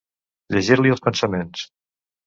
Llegir-li els pensaments.